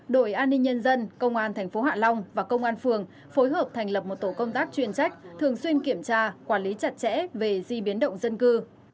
đội an ninh nhân dân công an tp hạ long và công an phường phối hợp thành lập một tổ công tác chuyên trách thường xuyên kiểm tra quản lý chặt chẽ về di biến động dân cư